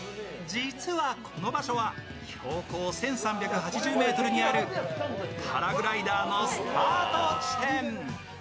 実はこの場所は、標高１３８０ｍにあるパラグライダーのスタート地点。